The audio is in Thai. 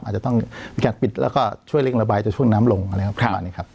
อาจจะต้องมีการปิดแล้วก็ช่วยเร่งระบายจนช่วยน้ำลงครับ